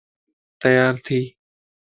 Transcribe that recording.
تيار ٿي